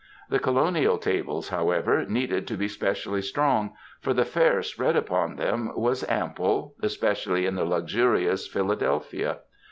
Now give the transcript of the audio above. The colonial tables, however, needed to be specially strong, for the fare spread upon them was ample, especially in the luxiurious Philadelphia.